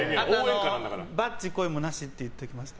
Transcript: ばっちこい！もなしって言っておきました。